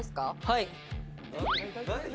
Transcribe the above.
はい。